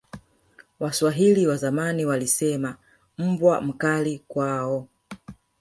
waswahili wa zamani walisema mbwa mkali kwao